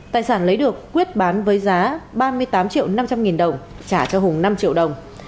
tài sản lấy được quyết bán với giá ba mươi tám triệu năm trăm linh nghìn đồng trả cho hùng năm triệu đồng